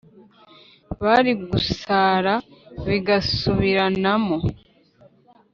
Byari gusara bigasubiranamo